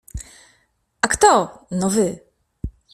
A kto? No wy.